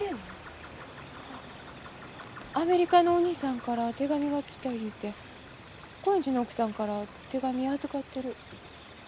アメリカのお兄さんから手紙が来たいうて興園寺の奥さんから手紙預かってる。